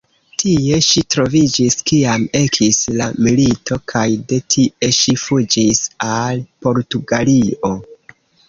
Tie ŝi troviĝis kiam ekis la milito, kaj de tie ŝi fuĝis al Portugalio.